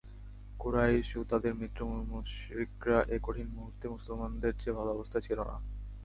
কুরাইশ ও তাদের মিত্র মুশরিকরা এ কঠিন মুহূর্তে মুসলমানদের চেয়ে ভাল অবস্থায় ছিল না।